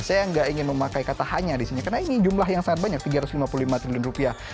saya nggak ingin memakai kata hanya di sini karena ini jumlah yang sangat banyak tiga ratus lima puluh lima triliun rupiah